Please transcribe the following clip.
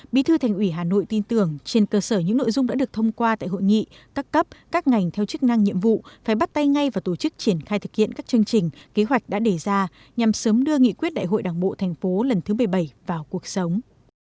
bí thư thành ủy hà nội tin tưởng trên cơ sở những nội dung đã được thông qua tại hội nghị các cấp các ngành theo chức năng nhiệm vụ phải bắt tay ngay và tổ chức triển khai thực hiện các chương trình kế hoạch đã đề ra nhằm sớm đưa nghị quyết đại hội đảng bộ thành phố lần thứ một mươi bảy vào cuộc sống